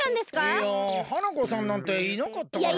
いや花子さんなんていなかったから。